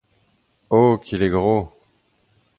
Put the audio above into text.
Oh ! qu’il est gros !